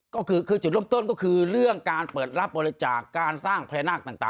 ก็คือจุดเริ่มต้นก็คือเรื่องการเปิดรับบริจาคการสร้างพญานาคต่าง